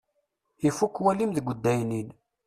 Ifukk walim deg udaynin.